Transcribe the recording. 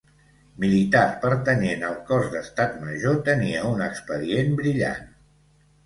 Militar pertanyent al cos d'Estat Major, tenia un expedient brillant.